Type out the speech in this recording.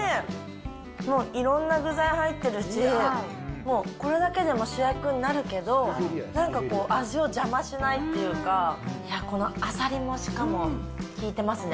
もういろんな具材入ってるし、もう、これだけでも主役になるけど、なんか味を邪魔しないっていうか、いやこの、アサリもしかも効いてますね。